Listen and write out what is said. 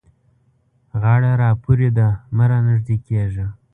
غاړه را پورې ده؛ مه رانږدې کېږه.